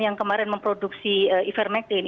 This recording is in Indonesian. yang kemarin memproduksi ivermectin